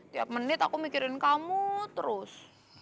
tiap menit aku mikirin kamu terus